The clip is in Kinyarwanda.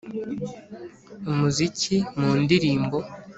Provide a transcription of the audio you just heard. umuziki mu ndirimbo